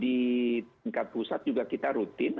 di tingkat pusat juga kita rutin